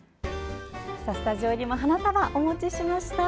スタジオにも花束をお持ちしました！